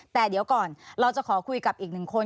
แต่เดี๋ยวก่อนเราจะขอคุยกับอีกหนึ่งคน